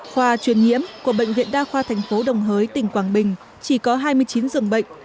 khoa truyền nhiễm của bệnh viện đa khoa thành phố đồng hới tỉnh quảng bình chỉ có hai mươi chín dường bệnh